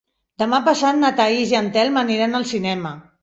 Demà passat na Thaís i en Telm aniran al cinema.